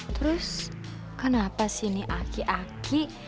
terus kenapa sini aki aki